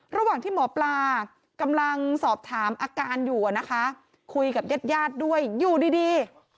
ระหว่างที่หมอปลากำลังสอบถามอาการอยู่นะคะคุยกับญาติญาติด้วยอยู่ดี